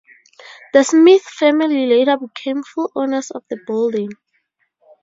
The Smith family later became full owners of the building.